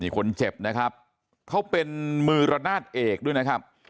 คนเจ็บนะครับเขาเป็นมือระนาดเอกด้วยนะครับ